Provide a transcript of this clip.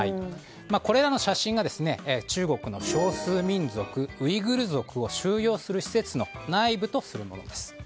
これらの写真が中国の少数民族ウイグル族を収容する施設の内部とするものです。